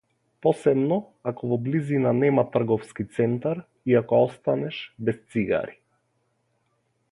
Посебно ако во близина нема трговски центар и ако останеш без цигари.